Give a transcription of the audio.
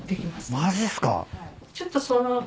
マジっすか。